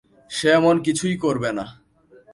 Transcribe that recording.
সে এমন কিছুই করবে না।